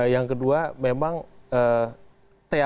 yang kedua memang teaternya